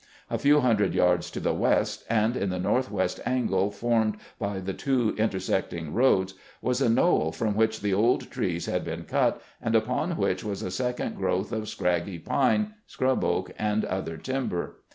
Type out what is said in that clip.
A few hundred yards to the west, and in the northwest angle formed by the two intersecting roads, was a knoll from which the old trees had been cut, and upon which was a second growth of scraggy pine, scrub oak, and other timber.